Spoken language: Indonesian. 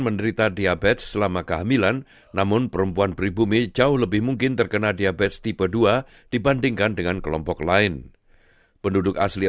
jadi diabetes gestasional atau diabetes pre kehidupan semasa kemahiran memiliki konsekuensi intergenerasional